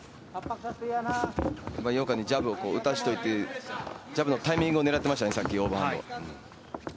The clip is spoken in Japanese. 井岡にジャブを打たせておいて、ジャブのタイミングを狙っていましたね。